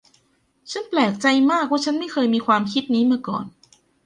ฉันแปลกใจมากว่าฉันไม่เคยมีความคิดนี้มาก่อน